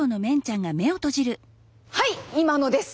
はい今のです！